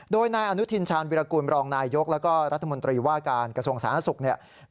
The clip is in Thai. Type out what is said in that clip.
โดยอานุทินชาญวิรากูลรองนายยกและก็รัฐมนตรีว่าการกระทรวงสถานทรัพย์สุข